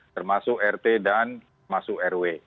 termasuk rt dan masuk rw